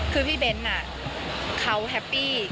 คือพี่เบ้นเขาแฮปปี้